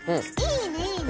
いいねいいね！